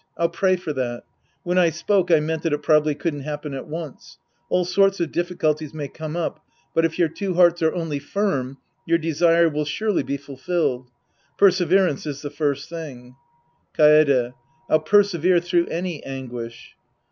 I'll pray for that. When I spoke, I meant that it probably couldn't happen at once. All sorts of difficulties may come up, but, if your two hearts are only firm, your desire will surely be fulfilled. Per severance is the first thing. Kaede. I'll persevere through any anguish.